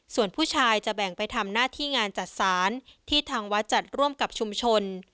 ส่วนผู้ชายจะแบ่งไปทำหน้าที่งานจัดสารที่ทางวัดจัดร่วมกับชุมชน